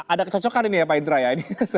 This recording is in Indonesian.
ada kecocokan ini ya pak indra ya